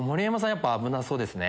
やっぱ危なそうですね。